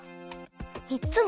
みっつも？